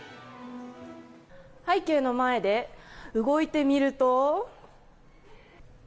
背景の前で動いてみると。